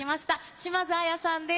島津亜矢さんです。